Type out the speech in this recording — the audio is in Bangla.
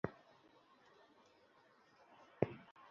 আর তুমি সাঁতার কাটতেই ভয় পাচ্ছো।